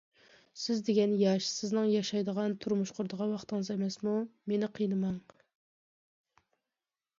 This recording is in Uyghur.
سىز دېگەن ياش، سىزنىڭ ياشايدىغان، تۇرمۇش قۇرىدىغان ۋاقتىڭىز ئەمەسمۇ؟ مېنى قىينىماڭ.